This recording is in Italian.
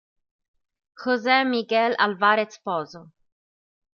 José Miguel Álvarez Pozo